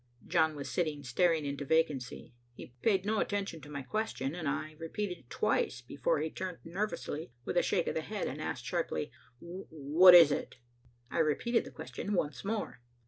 John was sitting staring into vacancy. He paid no attention to my question and I repeated it twice before he turned nervously with a shake of the head and asked sharply, "What is it?" I repeated the question once more.